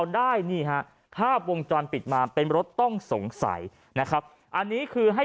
ได้นี่ฮะภาพวงจรปิดมาเป็นรถต้องสงสัยนะครับอันนี้คือให้